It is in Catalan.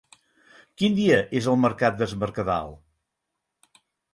Quin dia és el mercat d'Es Mercadal?